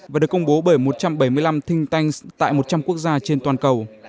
và được công bố bởi một trăm bảy mươi năm thing tanks tại một trăm linh quốc gia trên toàn cầu